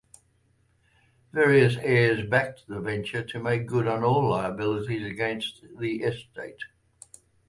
Various heirs backed the venture to make good on all liabilities against the estate.